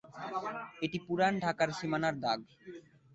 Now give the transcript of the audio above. এটি পুরান ঢাকার সীমানার দাগ।